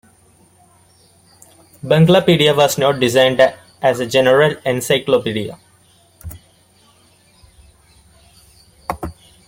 "Banglapedia" was not designed as a general encyclopedia.